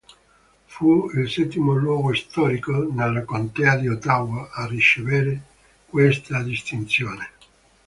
Fu il settimo luogo storico nella contea di Ottawa a ricevere questa distinzione.